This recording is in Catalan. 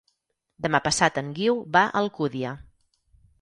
Demà passat en Guiu va a Alcúdia.